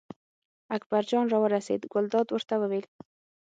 اکبرجان راورسېد، ګلداد ورته وویل.